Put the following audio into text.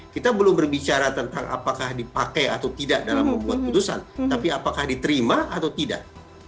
kita belum berbicara tentang apakah dipakai atau tidak dalam membuat putusan tapi apakah diterima atau tidak